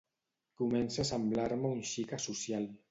Comença a semblar-me un xic asocial.